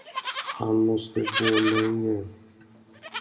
Han måste gå länge.